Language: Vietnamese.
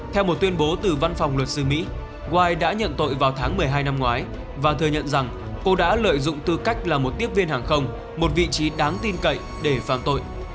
theo một tuyên bố từ văn phòng luật sư mỹ wi đã nhận tội vào tháng một mươi hai năm ngoái và thừa nhận rằng cô đã lợi dụng tư cách là một tiếp viên hàng không một vị trí đáng tin cậy để phạm tội